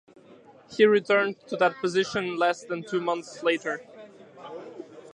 He returned to that position less than two months later.